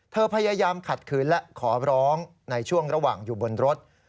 พยายามขัดขืนและขอร้องในช่วงระหว่างอยู่บนรถ